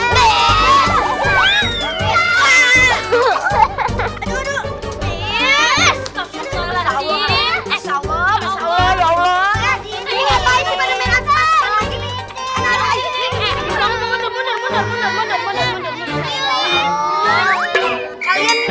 begini ya allah